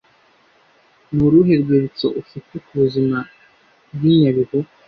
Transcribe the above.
Ni uruhe rwibutso ufite ku buzima bw’i Nyabihu